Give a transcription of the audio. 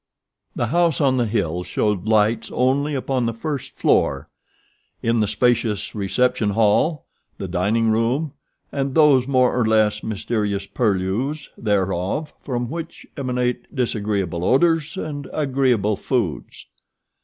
] The house on the hill showed lights only upon the first floor in the spacious reception hall, the dining room, and those more or less mysterious purlieus thereof from which emanate disagreeable odors and agreeable foods.